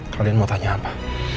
kalian mau tanya apa